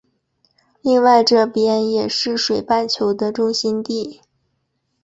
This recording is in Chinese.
另外这边也是水半球的中心地。